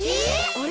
あれ？